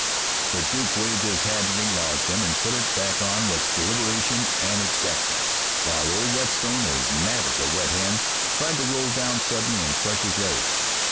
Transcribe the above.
The Duke waved his hat in acknowledgement, and put it back on with deliberation and exactness, while old Whetstone, as mad as a wet hen, tried to roll down suddenly and crush his legs.